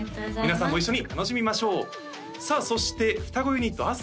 皆さんも一緒に楽しみましょうさあそして双子ユニット